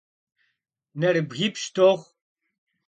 Neribgipş' doxhu.